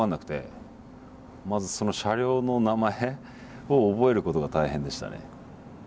まずその車両の名前を覚えることが大変でしたね。